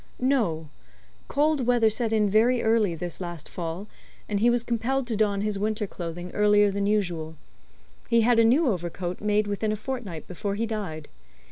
"No. Cold weather set in very early this last fall, and he was compelled to don his winter clothing earlier than usual. He had a new overcoat made within a fortnight before he died.